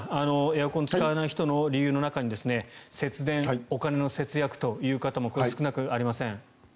エアコン使わない人の理由の中にお金の節約という方も少なくありません。